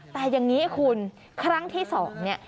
แต่อย่างนี้คุณครั้งที่๒เนี่ย